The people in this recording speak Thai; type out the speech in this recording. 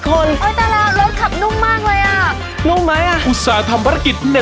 ขับนุ่มมากเลย